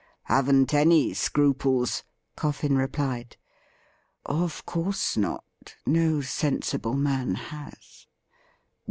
' Haven't any scruples,' Coffin replied. ' Of course not ; no sensible man has.'